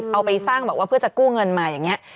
เอาไปสร้างแบบว่าเพื่อจะกู้เงินมาอย่างนี้